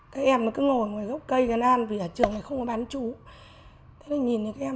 các em nó cũng động viên cô nhiều lắm